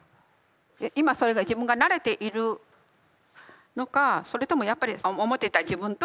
今それが自分がなれているのかそれともやっぱり思ってた自分とずれがあるのか。